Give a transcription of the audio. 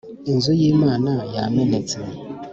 inzu y'imana yamenetse,